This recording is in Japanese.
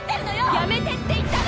やめてって言ったの！